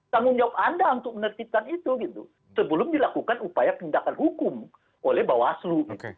tanggung jawab anda untuk menertibkan itu gitu sebelum dilakukan upaya tindakan hukum oleh bawaslu